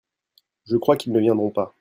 Je crois qu'ils ne viendront pas.